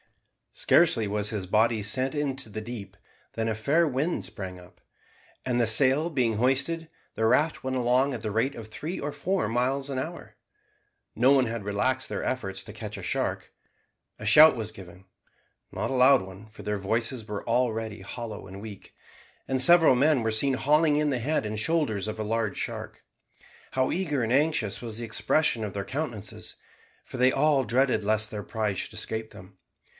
Scarcely was his body sent into the deep, than a fair wind sprang up, and the sail being hoisted, the raft went along at the rate of three or four miles an hour. No one had relaxed their efforts to catch a shark. A shout was given (not a loud one, for their voices were already hollow and weak), and several men were seen hauling in the head and shoulders of a large shark. How eager and anxious was the expression of their countenances, for they all dreaded lest their prize should escape them.